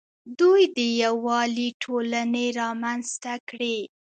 دوی د یووالي ټولنې رامنځته کړې